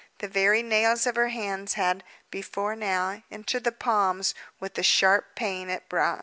The very nails of her hands had, before now, entered the palms, with the sharp pain it brought.